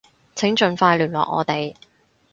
請盡快聯絡我哋